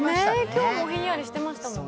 今日もひんやりしてましたもんね。